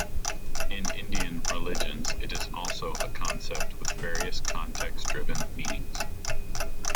In Indian religions, it is also a concept with various context-driven meanings.